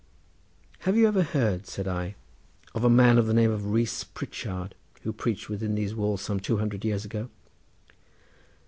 "Have you ever heard," said I, "of a man of the name of Rees Pritchard, who preached within these walls some two hundred years ago?"